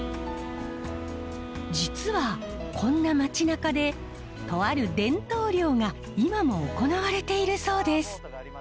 実はこんな町なかでとある伝統漁が今も行われているそうです。